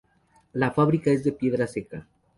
La fábrica es de piedra seca.